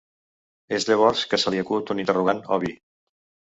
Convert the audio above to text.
És llavors que se li acut un interrogant obvi.